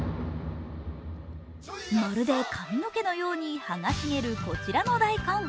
まるで髪の毛のように葉が茂るこちらの大根。